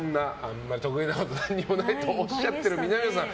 得意なことは何もないとおっしゃっている南野さん